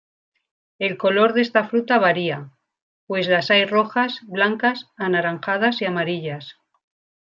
El color de esta fruta varía, pues las hay rojas, blancas, anaranjadas y amarillas.